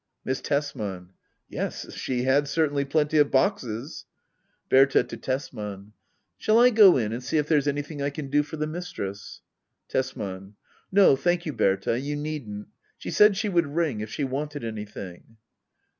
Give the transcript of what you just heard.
Miss Tesman. Yes, she had certainly plenty of boxes. Bbrta. [To Tesman.] Shall I go in and see if there's anything I can do for the mistress ? Tesman. No thank you^ Berta — ^you needn't. She said she would ring if she wanted anything.